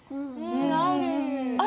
うん。